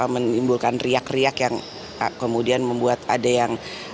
menimbulkan riak riak yang kemudian membuat ada yang